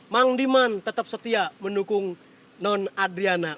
mang diman tetap setia mendukung non adriana